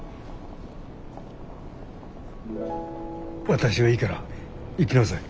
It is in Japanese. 私はいいから行きなさい。